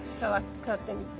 触ってみて。